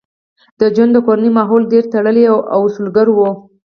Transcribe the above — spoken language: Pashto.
د جون د کورنۍ ماحول ډېر تړلی او اصولګرا و